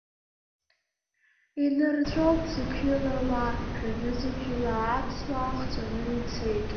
Инырҵәоуп зықьҩыла ауаа, жәанызқьҩыла аԥсуаа хҵәаны ицеит…